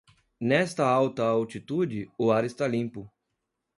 Nesta alta altitude, o ar está limpo.